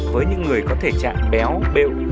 với những người có thể trạng béo bẹo